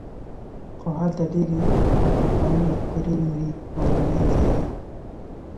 خو هلته ډېرې احمقانه مفکورې مري او له منځه ځي.